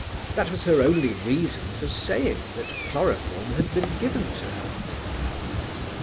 That was her only reason for saying that chloroform had been given to her.